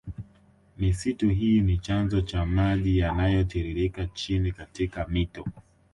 Misitu hii ni chanzo cha maji yanayotiririke chini katika mito